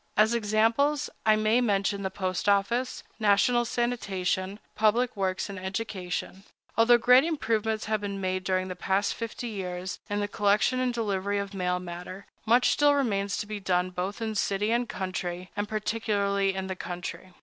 As examples, I may mention the post office, national sanitation, public works, and education. Although great improvements have been made during the past fifty years in the collection and delivery of mail matter, much still remains to be done both in city and country, and particularly in the country.